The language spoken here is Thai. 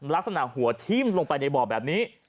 ลักษณะหัวทิ้มลงไปในบ่อแบบนี้